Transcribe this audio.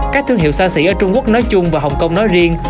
các thương hiệu xa xỉ ở trung quốc nói chung và hồng kông nói riêng